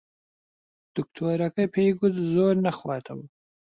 دکتۆرەکە پێی گوت زۆر نەخواتەوە.